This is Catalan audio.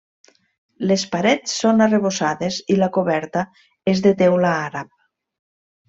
Les parets són arrebossades i la coberta és de teula àrab.